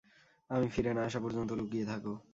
আমি ফিরে না আসা পর্যন্ত লুকিয়ে থাকো!